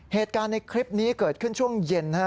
เหตุการณ์ในคลิปนี้เกิดขึ้นช่วงเย็นนะฮะ